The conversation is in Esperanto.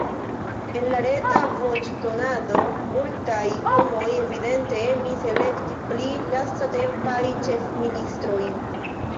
En la reta voĉdonado multaj homoj evidente emis elekti pli lastatempajn ĉefministrojn.